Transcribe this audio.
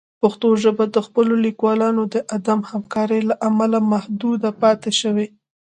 پښتو ژبه د خپلو لیکوالانو د عدم همکارۍ له امله محدود پاتې شوې.